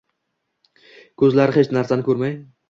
koʻzlari hech narsani koʻrmay.